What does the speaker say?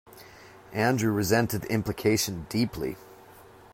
Andrew resented the implication deeply.